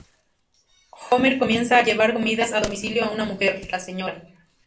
Homer comienza a llevar comidas a domicilio a una mujer, la Sra.